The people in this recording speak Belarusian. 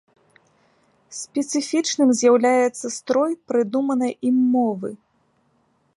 Спецыфічным з'яўляецца строй прыдуманай ім мовы.